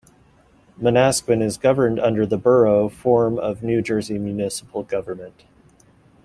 Manasquan is governed under the Borough form of New Jersey municipal government.